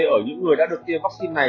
ở những người đã được tiêm vắc xin này